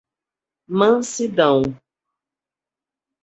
Mansidão